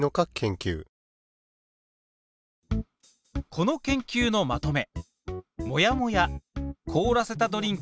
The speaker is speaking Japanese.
この研究のまとめ。